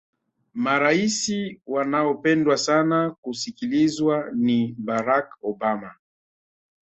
maraisi wanaopendwa sana kusikilizwa ni barack obama